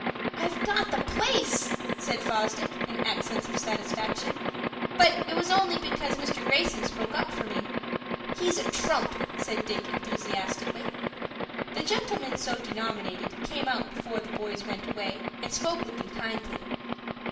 "I've got the place," said Fosdick, in accents of satisfaction; "but it was only because Mr. Greyson spoke up for me." "He's a trump," said Dick, enthusiastically. The gentleman, so denominated, came out before the boys went away, and spoke with them kindly.